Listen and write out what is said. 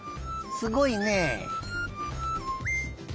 すごいね。